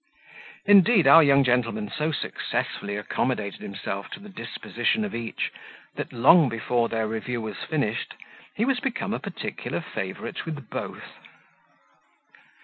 Indeed, our young gentleman so successfully accommodated himself to the disposition of each, that long before their review was finished, he was become a particular favourite with both.